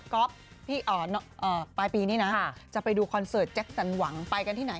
ปลายปีนี้นะจะไปดูคอนเสิร์ตแจ็คสันหวังไปกันที่ไหน